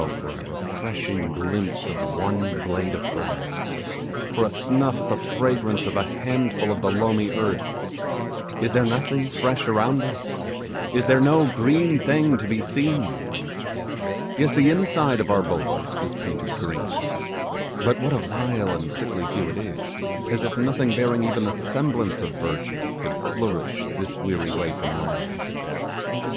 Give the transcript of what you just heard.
for a refreshing glimpse of one blade of grass for a snuff at the fragrance of a handful of the loamy earth! Is there nothing fresh around us? Is there no green thing to be seen? Yes, the inside of our bulwarks is painted green; but what a vile and sickly hue it is, as if nothing bearing even the semblance of verdure could flourish this weary way from land.